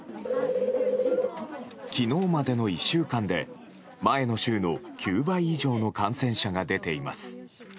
昨日までの１週間で前の週の９倍以上の感染者が出ています。